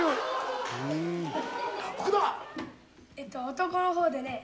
「男の方でね